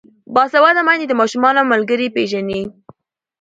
باسواده میندې د ماشومانو ملګري پیژني.